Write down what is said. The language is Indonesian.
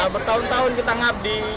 bertahun tahun kita ngabdi